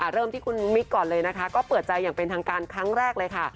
เริ่มที่คุณปือดใจอย่างเป็นทางการครั้งแรกเลยค่ะ